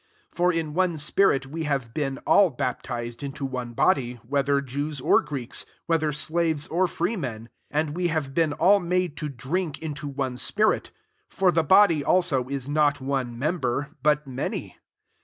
13 For in one spirit, we have been all baptized into one body, whether Jews or Greeks, whe ther slaves or free men; and we have been all made to drink into one spirit. 14 For the bo dy also is not one member, but many.